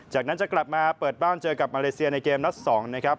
จากนั้นจะกลับมาเปิดบ้านเจอกับมาเลเซียในเกมนัด๒นะครับ